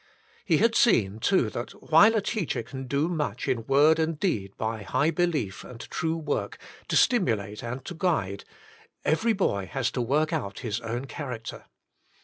He had seen, too, that while a teacher can do much in word and deed by high belief and true work to stimulate 'and to guide, every boy has to work out his own character.